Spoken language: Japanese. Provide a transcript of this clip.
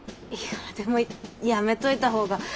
いやでもやめといた方が。